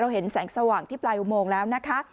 เราเห็นแสงสว่างที่ปลายมงค์แล้วนะคะ